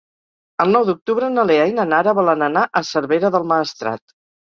El nou d'octubre na Lea i na Nara volen anar a Cervera del Maestrat.